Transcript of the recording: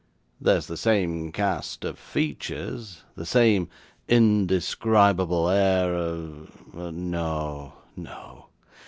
There is the same cast of features, the same indescribable air of But no; no.